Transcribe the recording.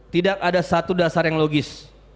tidak ada satu dasar yang logis